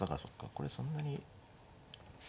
これそんなに。